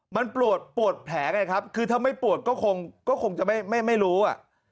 มันปวดปวดแผลไงครับคือถ้าไม่ปวดก็คงก็คงจะไม่รู้อ่ะ